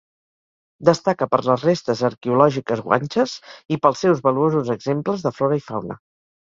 Destaca per les restes arqueològiques guanxes i pels seus valuosos exemples de flora i fauna.